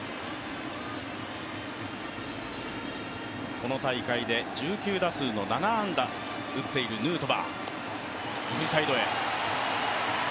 この大会で１９打数７安打打っているヌートバー。